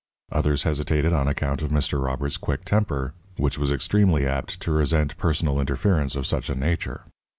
Others hesitated on account of Mr. Robert's quick temper, which was extremely apt to resent personal interference of such a nature.